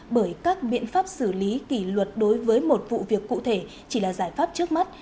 bởi các biện pháp xử lý kỷ luật đối với một vụ việc cụ thể chỉ là giải pháp trước mắt